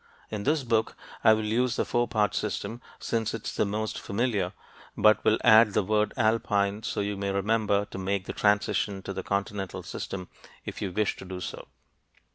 In this book, I will use the four part system, since it is the most familiar, but will add the word alpine so you may remember to make the transition to the continental system if you wish to do so.